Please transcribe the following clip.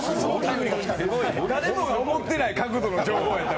誰も思ってない角度の情報だった。